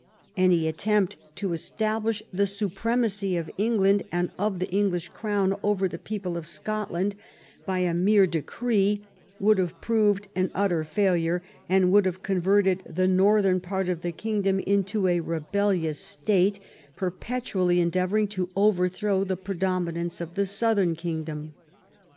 Any attempt to establish the so premacy of England and of the English crown over the people of Scotland by a mere decree would have proved an utter failure, and would have converted the north em part of the kingdom into a rebellious state per petually endeavoring to overthrow the predominance of the southern kingdom.